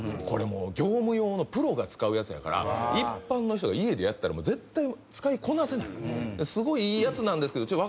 「これ業務用のプロが使うやつやから一般の人が家でやったら絶対使いこなせない」「すごいいいやつなんですけど」